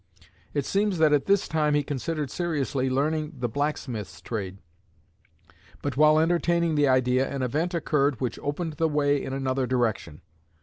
It seems that at this time he considered seriously learning the blacksmith's trade, but while entertaining the idea an event occurred which opened the way in another direction.